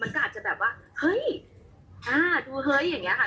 มันก็อาจจะแบบว่าเฮ้ยดูเห้ยอย่างนี้ค่ะ